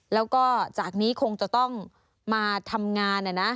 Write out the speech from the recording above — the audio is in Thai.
แล้วก็จากนี้คงจะต้องมาทำงาน